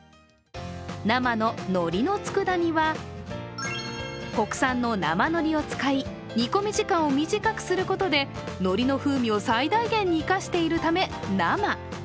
生ののりの佃煮は、国産の生のりを使い、煮込み時間を短くすることでのりの風味を最大限に生かしているため、生。